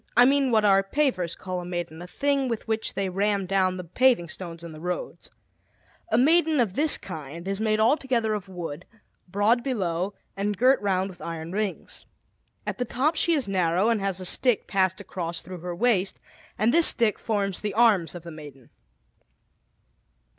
I mean what our pavers call a maiden, a thing with which they ram down the paving stones in the roads. A maiden of this kind is made altogether of wood, broad below, and girt round with iron rings. At the top she is narrow, and has a stick passed across through her waist, and this stick forms the arms of the maiden.